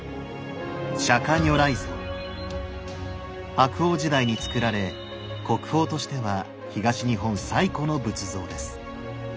白鳳時代につくられ国宝としては東日本最古の仏像です。